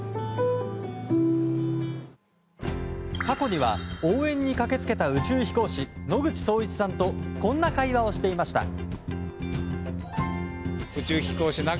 過去には応援に駆け付けた宇宙飛行士野口聡一さんとこんな会話をしていました。